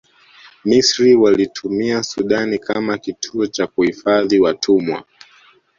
misri waliitumia sudan kama kituo cha kuhifadhi watumwa